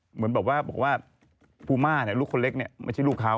เหมือนบอกว่ามาเนี่ยลูกคนเล็กไม่ใช่ลูกเขา